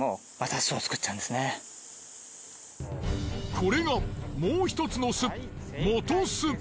これがもう１つの巣元巣。